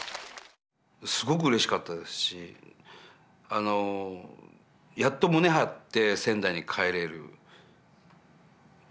すごくうれしかったですしあのやっと胸張って仙台に帰れる時でしたね。